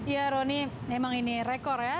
ya roni memang ini rekor ya